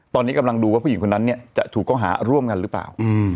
ตอนนี้กำลังดูว่าผู้หญิงคนนั้นเนี่ยจะถูกเข้าหาร่วมกันหรือเปล่า